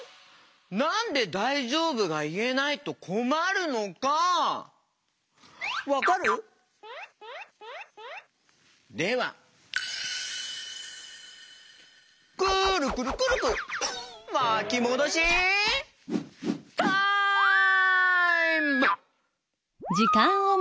なんで「だいじょうぶ？」がいえないとこまるのかわかる？ではくるくるくるくるまきもどしタイム！